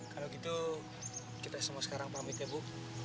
kalau gitu kita semua sekarang pamit ya bu